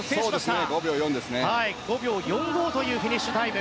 １分５秒４５というフィニッシュタイム。